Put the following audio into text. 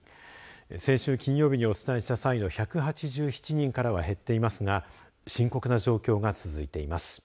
先週金曜日にお伝えした際の１８７人からは減っていますが深刻な状況が続いています。